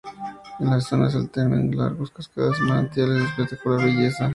En la zona se alternan lagos, cascadas y manantiales de espectacular belleza.